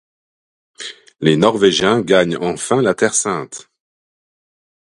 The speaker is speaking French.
Les Norvégiens gagnent enfin la Terre sainte.